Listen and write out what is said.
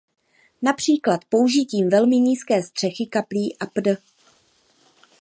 Například použitím velmi nízké střechy kaplí atp.